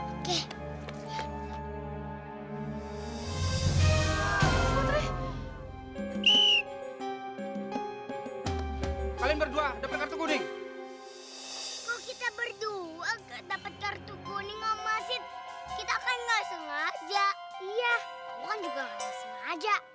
iya kamu kan juga gak sengaja